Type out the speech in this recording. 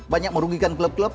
banyak merugikan klub klub